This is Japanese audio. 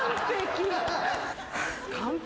完璧。